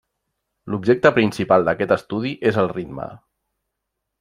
L'objecte principal d'aquest estudi és el ritme.